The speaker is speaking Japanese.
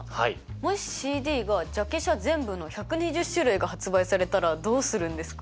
もしＣＤがジャケ写全部の１２０種類が発売されたらどうするんですか？